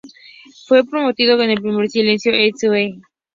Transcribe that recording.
Fue promovido con el primer sencillo "Eez-eh".